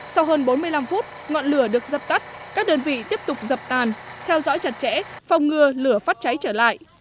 sau hơn bốn mươi năm phút ngọn lửa được dập tắt các đơn vị tiếp tục dập tàn theo dõi chặt chẽ phòng ngừa lửa phát cháy trở lại